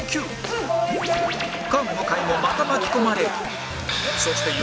菅向井もまた巻き込まれる